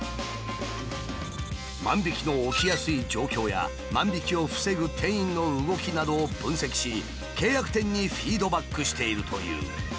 万引きの起きやすい状況や万引きを防ぐ店員の動きなどを分析し契約店にフィードバックしているという。